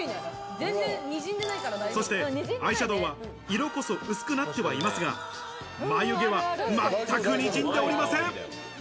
そしてアイシャドウは色こそ薄くなってはいますが、眉毛は全くにじんでおりません。